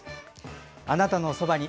「あなたのそばに」